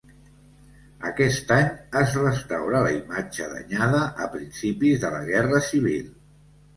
Aquest any es restaura la imatge danyada a principis de la Guerra Civil.